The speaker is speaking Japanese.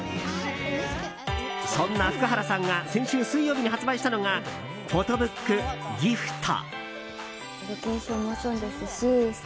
そんな福原さんが先週水曜日に発売したのがフォトブック「ｇｉｆｔ」。